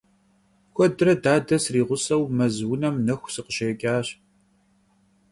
Kuedre dade sriğuseu mez vunem nexu sıkhışêç'aş.